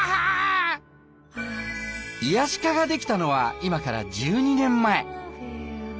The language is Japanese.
癒し課が出来たのは今から１２年前。